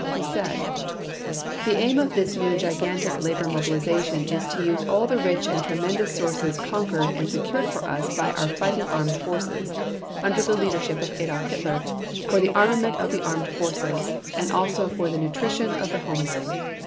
He said: "The aim of this new gigantic labor mobilization is to use all the rich and tremendous sources conquered and secured for us by our fighting Armed Forces under the leadership of Adolf Hitler, for the armament of the Armed Forces, and also for the nutrition of the Homeland.